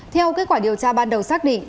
theo kết quả điều tra ban đầu xác định